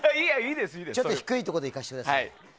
ちょっと低いところでいかせてください。